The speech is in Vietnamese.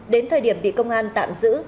đến thời điểm bị công an tạm giữ